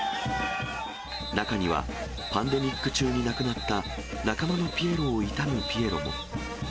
中には、パンデミック中に亡くなった仲間のピエロを悼むピエロも。